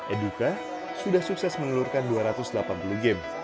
eduka sudah sukses menelurkan dua ratus delapan puluh game